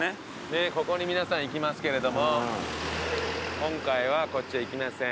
ここに皆さん行きますけれども今回はこっちは行きません。